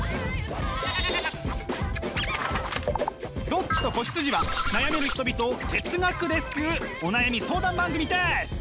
「ロッチと子羊」は悩める人々を哲学で救うお悩み相談番組です！